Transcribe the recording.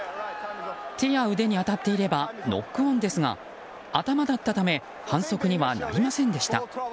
手や腕に当たっていればノックオンですが頭だったため反則にはなりませんでした。